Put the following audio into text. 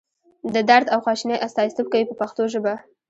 د درد او خواشینۍ استازیتوب کوي په پښتو ژبه.